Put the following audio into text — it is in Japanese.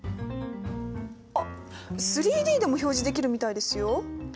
あっ３Ｄでも表示できるみたいですよ。